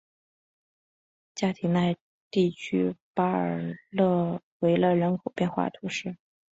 加提奈地区巴尔维勒人口变化图示